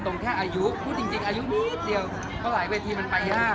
แค่อายุพูดจริงอายุนิดเดียวเพราะหลายเวทีมันไปยาก